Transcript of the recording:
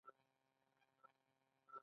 رڼا دوه ګونه طبیعت لري: څپه او ذره.